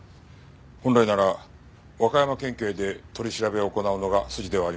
本来なら和歌山県警で取り調べを行うのが筋ではありませんか？